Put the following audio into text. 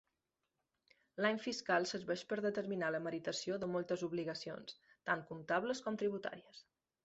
L'any fiscal serveix per determinar la meritació de moltes obligacions, tant comptables com tributàries.